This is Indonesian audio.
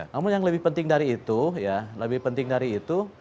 namun yang lebih penting dari itu